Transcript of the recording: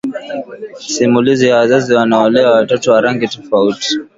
Simulizi ya Wazazi Wanaolea Watoto wa Rangi Tofauti